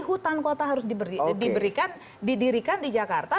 hutan kota harus diberikan didirikan di jakarta